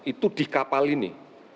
itu di kapal ini